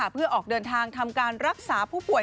เพื่อออกเดินทางทำการรักษาผู้ป่วย